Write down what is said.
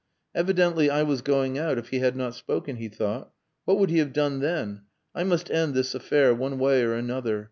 "Evidently I was going out if he had not spoken," he thought. "What would he have done then? I must end this affair one way or another.